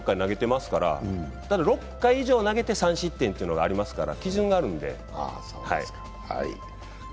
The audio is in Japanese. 大谷選手も５回、６回投げてますから、ただ、６回以上投げて３失点というのがありますから基準があるんで。